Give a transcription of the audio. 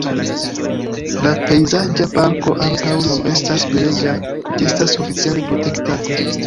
La pejzaĝa parko ankaŭ nun estas belega, ĝi estas oficiale protektata.